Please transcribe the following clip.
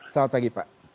selamat pagi pak